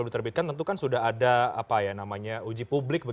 diterbitkan tentu kan sudah ada uji publik